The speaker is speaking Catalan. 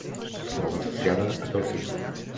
Es troba associada a calcita.